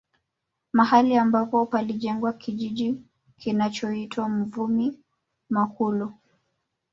Mahali ambapo palijengwa kijiji kinachoitwa Mvumi Makulu